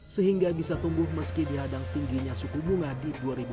sehingga bisa tumbuh meski dihadang tingginya suku bunga di dua ribu dua puluh